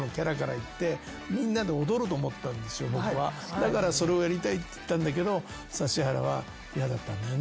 だからそれをやりたいって言ったんだけど指原はやだったんだよな。